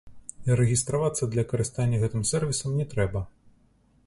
Рэгістравацца для карыстання гэтым сэрвісам не трэба.